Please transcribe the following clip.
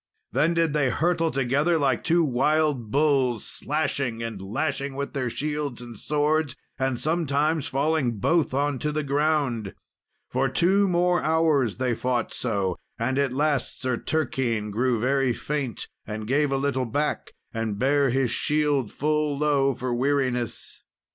Then did they hurtle together like two wild bulls, slashing and lashing with their shields and swords, and sometimes falling both on to the ground. For two more hours they fought so, and at the last Sir Turquine grew very faint, and gave a little back, and bare his shield full low for weariness.